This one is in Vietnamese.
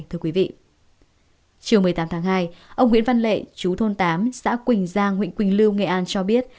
chiều một mươi tám tháng hai ông nguyễn văn lệ chú thôn tám xã quỳnh giang huyện quỳnh lưu nghệ an cho biết